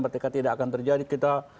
ketika tidak akan terjadi kita